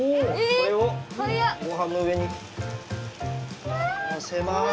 これをごはんの上にのせます。